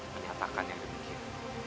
menyatakan yang demikian